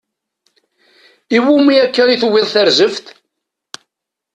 Iwumi akka i tuwiḍ tarzeft?